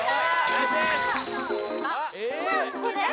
ナイスです！